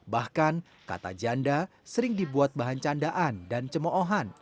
bahkan kata janda sering dibuat bahan candaan